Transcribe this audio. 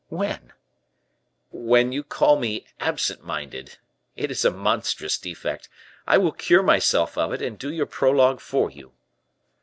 "When?" "When you call me absent minded. It is a monstrous defect; I will cure myself of it, and do your prologue for you."